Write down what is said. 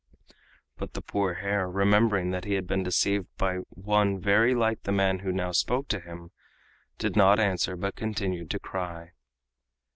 But the poor hare, remembering that he had been deceived by one very like the man who now spoke to him, did not answer, but continued to cry.